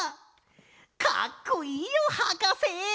かっこいいよはかせ！